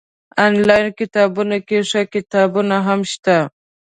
انلاين کتابتون کي ښه کتابونه هم شته